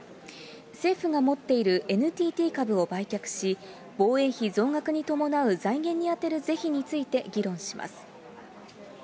政府が持っているＮＴＴ株を売却し、防衛費増額に伴う財源に充てる是非について議論します。